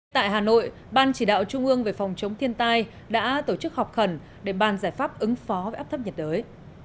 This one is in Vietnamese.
tại hà nội ban chỉ đạo trung ương về phòng chống thiên tai đã tổ chức họp khẩn để ban giải pháp ứng phó với áp thấp nhiệt đới